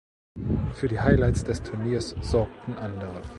Für die Highlights des Turniers sorgten andere.